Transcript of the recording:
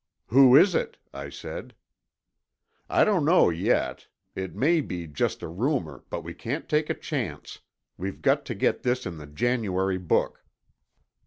"Who is it?" I said. "I don't know yet. It may be just a rumor, but we can't take a chance. We've got to get this in the January book."